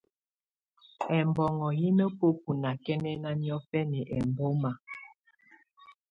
Ɛbɔnɔ̀ yɛ̀ nà bǝ́bu nakɛnɛna niɔ̀fɛna ɛmbɔma.